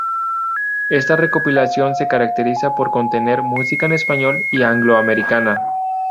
Esta recopilación se caracteriza por contener música en español y angloamericana.